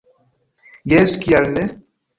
Jes, kial ne?